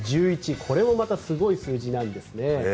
これもまたすごい数字なんですね。